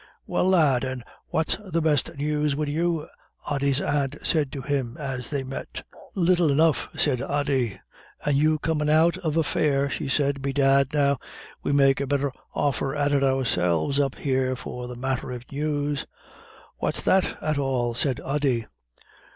"Well, lad, and what's the best good news wid you?" Ody's aunt said to him, as they met. "Little enough," said Ody. "And you comin' out of a fair?" she said. "Bedad now, we make a better offer at it ourselves up here for the matter of news." "What's that at all?" said Ody.